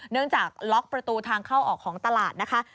จากล็อกประตูทางเข้าออกของตลาดนะคะ